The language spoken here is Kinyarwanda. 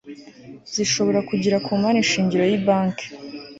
zishobora kugira ku mari shingiro y ibanki